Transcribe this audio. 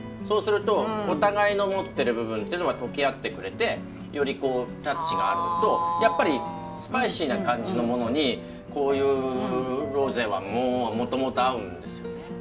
そうするとお互いの持ってる部分っていうのが溶け合ってくれてよりこうタッチがあるのとやっぱりスパイシーな感じのものにこういうロゼはもともと合うんですよね。